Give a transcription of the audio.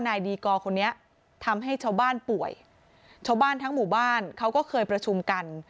นายดีกอร์คนนี้ทำให้ชาวบ้านป่วยชาวบ้านทั้งหมู่บ้านเขาก็เคยประชุมกัน